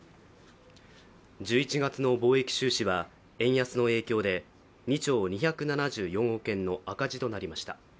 １１月の貿易収支は円安の影響で２兆２７４億円の赤字となりました。